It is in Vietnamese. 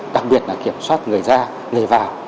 đặc biệt là kiểm soát người ra người vào